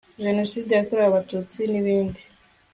genoside yakorewe abatutsi nibindi